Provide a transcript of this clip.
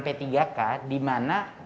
p tiga k di mana